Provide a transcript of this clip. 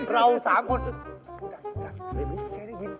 เรา๓คนโดยการเห็นก็เจ๊ได้ยิน